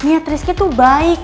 niat rizky tuh baik